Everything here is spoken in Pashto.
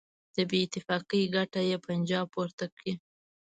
د بېاتفاقۍ ګټه یې پنجاب پورته کړي.